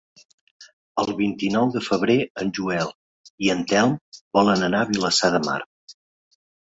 El vint-i-nou de febrer en Joel i en Telm volen anar a Vilassar de Mar.